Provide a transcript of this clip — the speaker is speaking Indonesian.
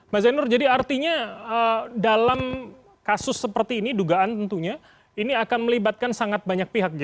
mas zainur jadi artinya dalam kasus seperti ini dugaan tentunya ini akan melibatkan sangat banyak pihak